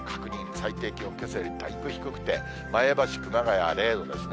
最低気温、けさよりだいぶ低くて、前橋、熊谷０度ですね。